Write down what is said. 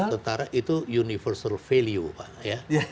tentara itu value universal pak ya